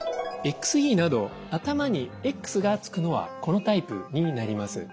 ＸＥなど頭にＸが付くのはこのタイプになります。